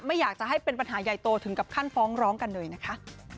ไม่อยากจะให้เป็นปัญหาใหญ่โตถึงกับขั้นฟ้องร้องกันเลยนะคะ